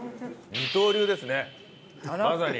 二刀流ですねまさに。